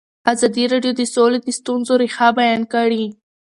ازادي راډیو د سوله د ستونزو رېښه بیان کړې.